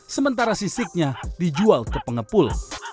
sementara sisiknya dijual ke pengepul